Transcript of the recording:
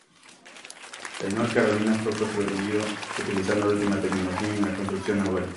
El "North Carolina" fue construido utilizando la última tecnología en la construcción naval.